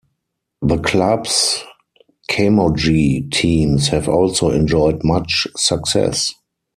The club's Camogie teams have also enjoyed much success.